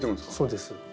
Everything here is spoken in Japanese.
そうです。